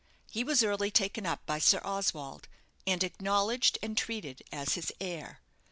He was early taken up by Sir Oswald, and acknowledged and treated as his heir.